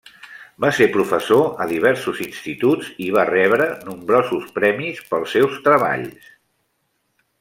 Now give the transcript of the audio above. Va ser professor a diversos instituts, i va rebre nombrosos premis pels seus treballs.